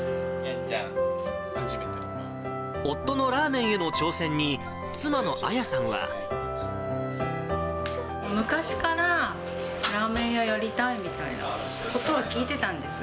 夫のラーメンへの挑戦に、昔から、ラーメン屋やりたいみたいなことは聞いてたんです。